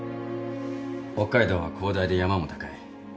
北海道は広大で山も高い。